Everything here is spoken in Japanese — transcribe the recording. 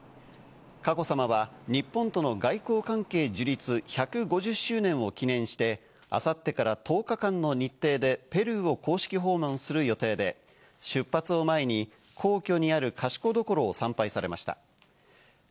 佳子さまは、日本との外交関係樹立１５０周年を記念して、あさってから１０日間の日程でペルーを公式訪問する予定で、出発を前に皇居にある賢所を参拝されました。